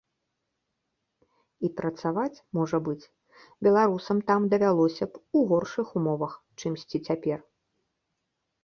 І працаваць, можа быць, беларусам там давялося б, у горшых умовах, чымсьці цяпер.